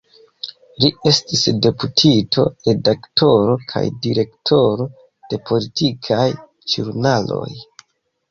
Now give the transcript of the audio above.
Li estis deputito, redaktoro kaj direktoro de politikaj ĵurnaloj.